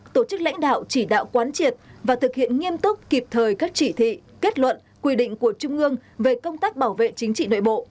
tổ chức lãnh đạo chỉ đạo quán triệt và thực hiện nghiêm túc kịp thời các chỉ thị kết luận quy định của trung ương về công tác bảo vệ chính trị nội bộ